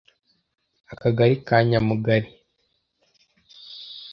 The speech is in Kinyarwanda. akagari ka Nyamugari